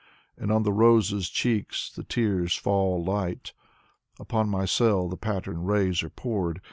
And on the roses' cheeks the tears fall light. Upon my cell the patterned rays are poured.